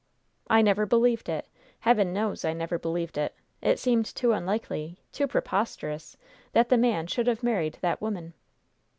"I never believed it. Heaven knows, I never believed it! It seemed too unlikely, too preposterous, that the man should have married that woman!"